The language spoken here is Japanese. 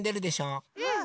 うん！